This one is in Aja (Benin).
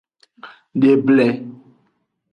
De eble.